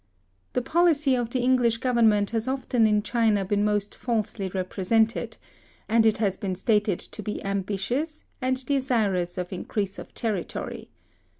The policy of the English government has often in China been most falsely represented, and it has been stated to be ambitious, and desirous of increase of territory.